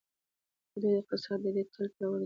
د دوی اقتصاد دې تل پیاوړی وي.